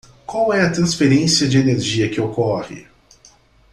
Qual é a transferência de energia que ocorre?